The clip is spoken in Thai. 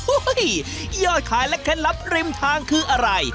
โอ้โหยอดขายและเคล็ดลับริมทางคืออะไร